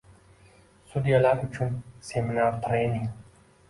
Sudyalar uchun seminar-treningng